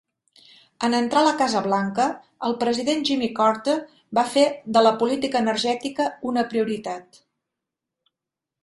En entrar a la Casa Blanca, el president Jimmy Carter va fer de la política energètica una prioritat.